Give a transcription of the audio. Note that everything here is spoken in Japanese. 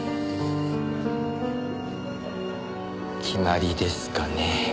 決まりですかね。